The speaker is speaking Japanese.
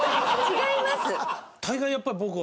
違います。